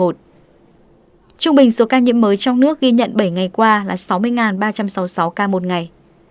trung bình số ca nhiễm mới trong nước ghi nhận bảy ngày qua là sáu mươi ba trăm sáu mươi sáu ca một ngày